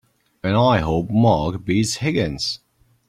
And I hope Mark beats Higgins!